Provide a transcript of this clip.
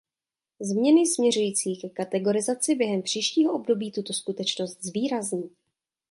Změny směřující ke kategorizaci během příštího období tuto skutečnost zvýrazní.